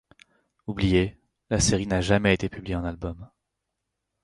Oubliée, la série n'a jamais été publiée en album.